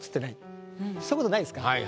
そういう事ないですか？